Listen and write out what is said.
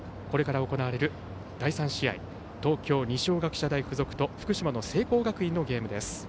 これから行われる第３試合東京・二松学舎大付属と福島の聖光学院のゲームです。